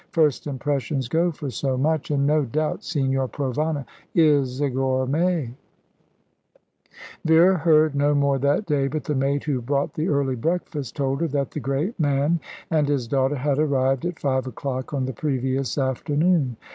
First impressions go for so much, and no doubt Signor Provana is a gourmet." Vera heard no more that day, but the maid who brought the early breakfast told her that the great man and his daughter had arrived at five o'clock on the previous afternoon.